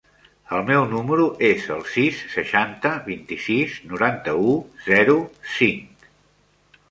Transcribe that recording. El meu número es el sis, seixanta, vint-i-sis, noranta-u, zero, cinc.